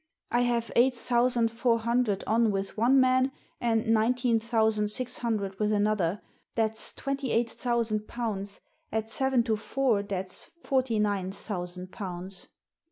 " I have eight thousand four hundred on with one man, and nineteen thousand six hundred with another; that's twenty eight thousand pounds, at seven to four that's forty nine thousand pounds."